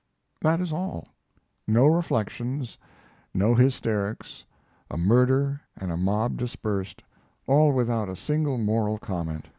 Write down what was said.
That is all. No reflections, no hysterics; a murder and a mob dispersed, all without a single moral comment.